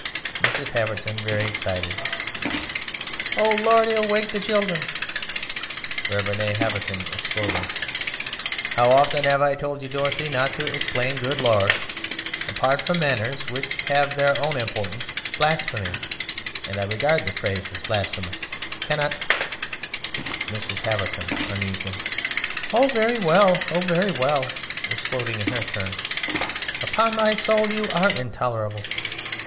MRS. HAVERTON (very excited): Oh, Lord, he'll wake the children! REV. A. HAVERTON (exploding): How often have I told you, Dorothy, Not to exclaim "Good Lord!"... Apart from manners Which have their own importance blasphemy (And I regard the phrase as blasphemous) Cannot MRS. HAVERTON (uneasily): Oh, very well!... Oh, very well! (Exploding in her turn.) Upon my soul, you are intolerable!